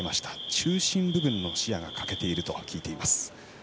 中心部分の視野が欠けていると聞いています。